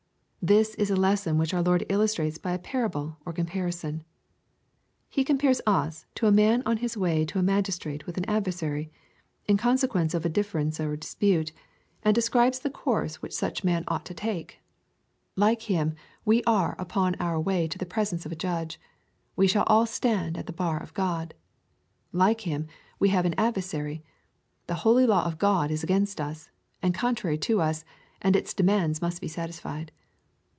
This is a lesson which our Lord illus trates by a parjible or comparison. He compares us to a matt i)n his way to a magistrate with an adversary, in conse quence of a difference or dispute, and describes the coursd 104 EXPOSITORY THOUGHTS. which such a man ought to take. — Like him, we are upon our way to the presence of a Judge. We shall all stand at the bar of God. — ^Like him, we have an adver sary. The holy law of God is against us, and contrary to us, and its demands must be satisfied.